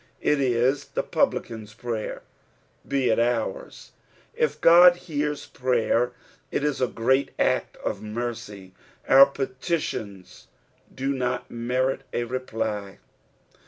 It is the publican's pisyer ; be it ours. If God hears prayer, it is a great act of mercy ; our peti tioua do not merit a reply.